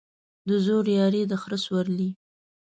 د زورياري ، د خره سورلى.